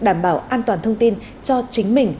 đảm bảo an toàn thông tin cho chính mình